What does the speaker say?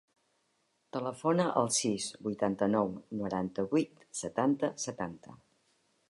Telefona al sis, vuitanta-nou, noranta-vuit, setanta, setanta.